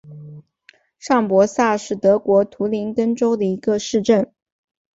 上伯萨是德国图林根州的一个市镇。